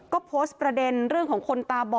ก็โพสต์ประเด็นเรื่องของคนตาบอ